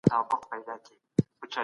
که دیني اصول کمزوري سي اخلاق ځي.